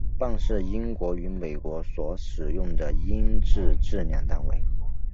磅是英国与美国所使用的英制质量单位。